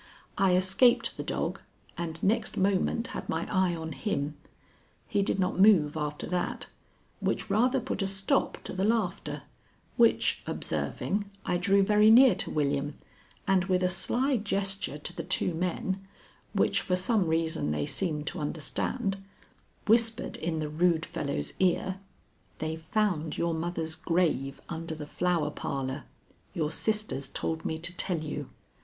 I escaped the dog, and next moment had my eye on him. He did not move after that, which rather put a stop to the laughter, which observing, I drew very near to William, and with a sly gesture to the two men, which for some reason they seemed to understand, whispered in the rude fellow's ear: "They've found your mother's grave under the Flower Parlor. Your sisters told me to tell you.